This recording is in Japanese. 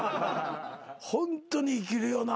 ホントに生きるよな。